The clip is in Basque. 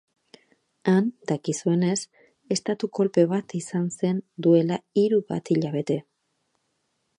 Han, dakizuenez, estatu-kolpe bat izan zen duela hiru bat hilabete.